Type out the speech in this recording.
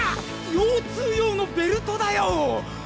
腰痛用のベルトだよ！